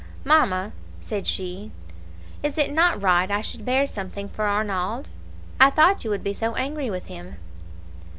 "'Mamma,' said she, 'is it not right I should bear something for Arnauld? I thought you would be so angry with him.'